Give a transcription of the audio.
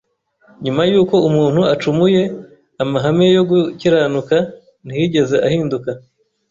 Nyuma y’uko umuntu acumuye, amahame yo gukiranuka ntiyigeze ahinduka.